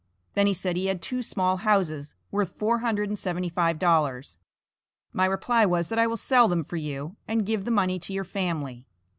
Then he said he had two small houses, worth four hundred and seventy five dollars. My reply was that I will sell them for you, and give the money to your family.